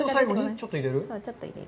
ちょっと入れる。